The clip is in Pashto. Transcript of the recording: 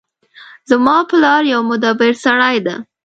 زما پلار یو مدبر سړی ده